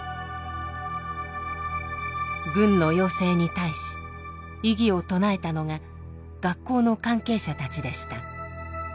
軍の要請に対し異議を唱えたのが学校の関係者たちでした。